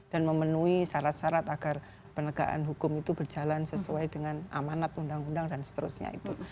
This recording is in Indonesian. dan memenuhi syarat syarat agar penegaan hukum itu berjalan sesuai dengan amanat undang undang dan seterusnya itu